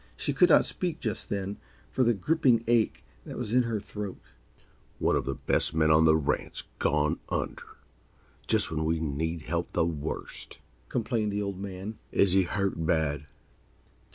She could not speak, just then, for the griping ache that was in her throat. "One of the best men on the ranch gone under, just when we need help the worst!" complained the Old Man. "Is he hurt bad?"